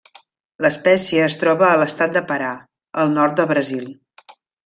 L'espècie es troba a l'estat de Pará, al nord de Brasil.